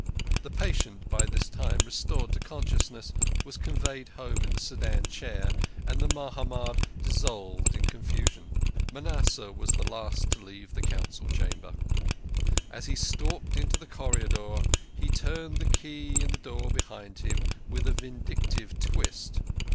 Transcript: The patient, by this time restored to consciousness, was conveyed home in the sedan chair, and the Mahamad dissolved in confusion. ManasseK was the last to leave the Council Chamber. As he stalked into the corridor he turned the key in the door behind him with a vindictive twist.